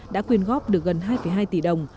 đã quyên góp được gần hai hai tỷ đồng